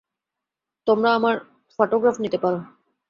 তোমরা আমার পটোগ্রাফ নিতে পারো।